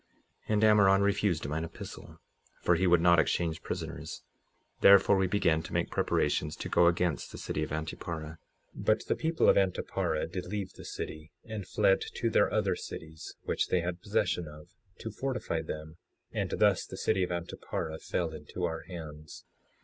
57:3 And Ammoron refused mine epistle, for he would not exchange prisoners; therefore we began to make preparations to go against the city of Antiparah. 57:4 But the people of Antiparah did leave the city, and fled to their other cities, which they had possession of, to fortify them; and thus the city of Antiparah fell into our hands.